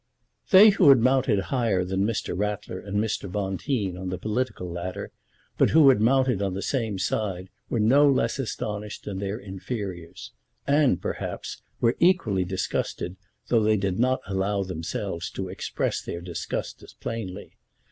They who had mounted higher than Mr. Ratler and Mr. Bonteen on the political ladder, but who had mounted on the same side, were no less astonished than their inferiors; and, perhaps, were equally disgusted, though they did not allow themselves to express their disgust as plainly.